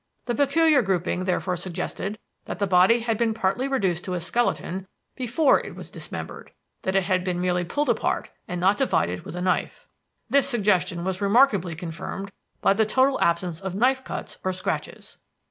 The peculiar grouping therefore suggested that the body had been partly reduced to a skeleton before it was dismembered; that it had then been merely pulled apart and not divided with a knife. "This suggestion was remarkably confirmed by the total absence of knife cuts or scratches.